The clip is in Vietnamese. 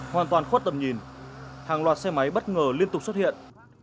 hoàn toàn khuất tầm nhìn hàng loạt xe máy bất ngờ liên tục xuất hiện